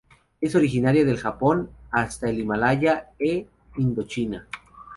Es originaria del Japón hasta el Himalaya e Indochina.